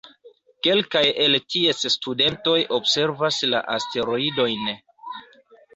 Kelkaj el ties studentoj observas la asteroidojn.